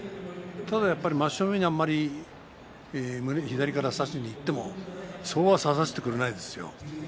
真正面にあまり左から差しにいってもそうは差させてくれないからね。